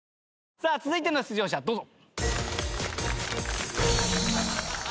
さあ続いての出場者どうぞ。